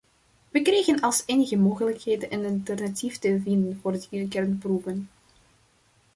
Wij kregen als enige mogelijkheid een alternatief te vinden voor die kernproeven.